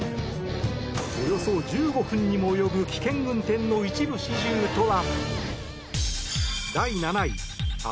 およそ１５分にも及ぶ危険運転の一部始終とは。